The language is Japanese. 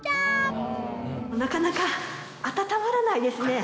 なかなか暖まらないですね。